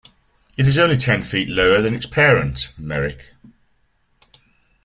It is only ten feet lower than its parent, Merrick.